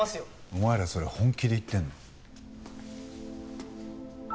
お前らそれ本気で言ってんの？